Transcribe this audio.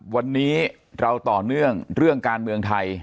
วันนี้เราต่อเนื่องเรื่องการเมืองไทย